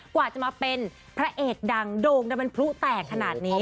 กว่าจะมาเป็นพระเอกดังโด่งดังเป็นพลุแตกขนาดนี้